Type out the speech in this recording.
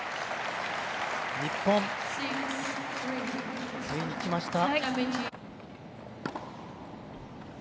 日本、ついにきました。